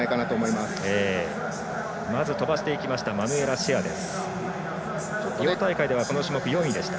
まず飛ばしていきましたマヌエラ・シェアです。